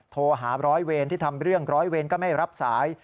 โทรหาร้อยเวรที่ทำเรื่องร้อยเวรก็ไม่รับสาย